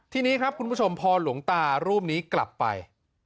ทีนี้ครับคุณผู้ชมพอหลวงตารูปนี้กลับไป